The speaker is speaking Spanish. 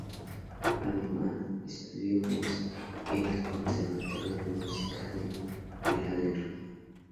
Además, estudió voz en el Conservatorio de Música de Filadelfia.